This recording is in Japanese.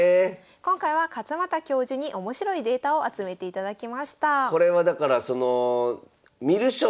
今回は勝又教授に面白いデータを集めていただきました。